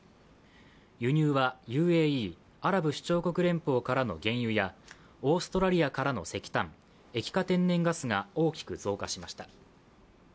輸入はＵＡＥ＝アラブ首長国連邦からの原油や、オーストラリアからの石炭、液化天然ガスが大きく増加しました。